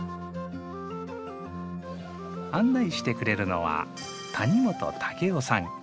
案内してくれるのは谷本夫さん。